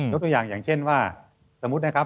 ตัวอย่างอย่างเช่นว่าสมมุตินะครับ